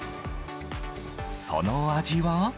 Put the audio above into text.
その味は？